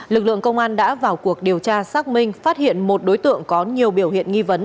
lực lượng công an đã vào cuộc điều tra xác minh phát hiện một đối tượng có nhiều biểu hiện nghi vấn